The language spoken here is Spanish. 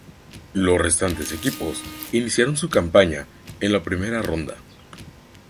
Los restantes equipos iniciaron su campaña en la primera ronda.